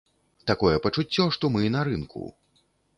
Такое пачуццё, што мы на рынку.